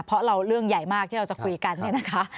เพราะเราเรื่องใหญ่มากที่เราจะคุยกันเนี่ยนะคะ